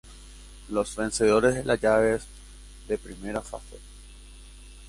Los vencedores de las llaves de Primera Fase.